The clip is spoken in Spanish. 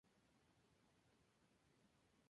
Arquitectura y Pintura en la obra de Varela.